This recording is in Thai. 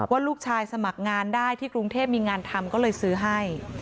ว่าลูกชายสมัครงานได้ที่กรุงเทพมีงานทำก็เลยซื้อให้